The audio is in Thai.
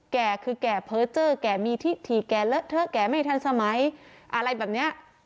แก่คือแก่เพอร์เจอร์แก่มีที่ถี่แก่เลอะเทอะแก่ไม่ทันสมัยอะไรแบบเนี้ย